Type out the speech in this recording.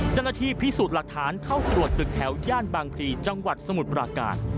เจ้าหน้าที่พิสูจน์หลักฐานเข้าตรวจตึกแถวย่านบางพลีจังหวัดสมุทรปราการ